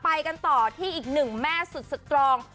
ไปกันต่อที่อีกหนึ่งแม่สุดสตรอง